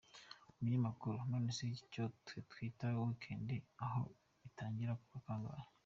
Umunyamakuru: None se icyo twe twita week end aho itangira ku wa kangahe?.